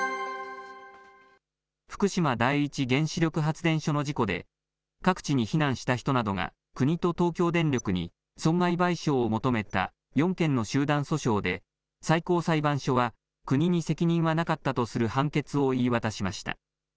福島第一原子力発電所の事故で、各地に避難した人などが国と東京電力に損害賠償を求めた４件の集団訴訟で、最高裁判所は国に責任はなかったとする判決を言い渡しました。